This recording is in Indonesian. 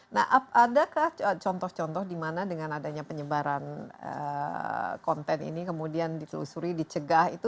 nah adakah contoh contoh di mana dengan adanya penyebaran konten ini kemudian ditelusuri dicegah itu